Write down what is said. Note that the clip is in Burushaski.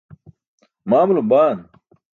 ma amulum baan?